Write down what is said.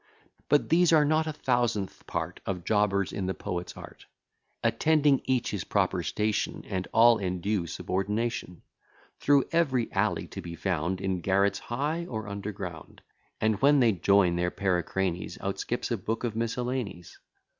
But these are not a thousandth part Of jobbers in the poet's art, Attending each his proper station, And all in due subordination, Through every alley to be found, In garrets high, or under ground; And when they join their pericranies, Out skips a book of miscellanies.